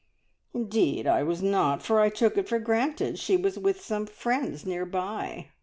"Indeed I was not, for I took it for granted she was with some friends near by.